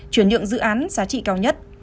chuyển nhượng dự án giá trị cao nhất